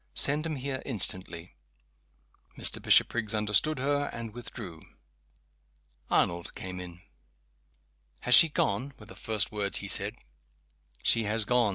Send him here instantly." Mr. Bishopriggs understood her, and withdrew. Arnold came in. "Has she gone?" were the first words he said. "She has gone.